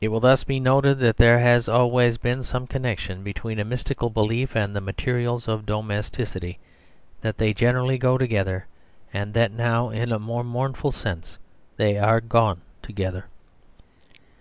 It will thus be noted that there has always been some connection between a mystical belief and the materials of domesticity; that they generally go together; and that now, in a more mournful sense, they are gone together.